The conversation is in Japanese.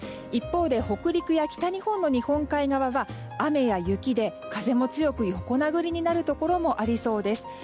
一方で北陸や北日本の日本海側は雨や雪で風も強く横殴りになるところもありそうです。